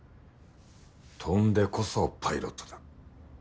飛んでこそパイロットだ。